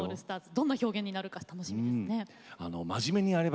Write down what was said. どんな表現になるか楽しみですね。